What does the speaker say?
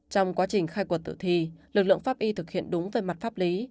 trong quá trình khai quật tử thi lực lượng pháp y thực hiện đúng với mặt pháp lý